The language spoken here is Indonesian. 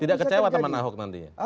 tidak kecewa teman ahok nantinya